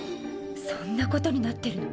そんなことになってるの。